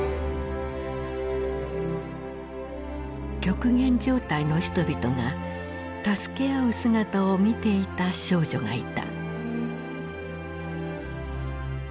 極限状態の人々が助け合う姿を見ていた少女がいた。